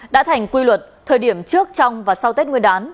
đã thành quy luật thời điểm trước trong và sau tết nguyên đán